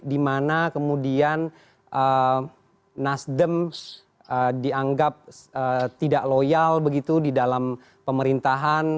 dimana kemudian nasdem dianggap tidak loyal begitu di dalam pemerintahan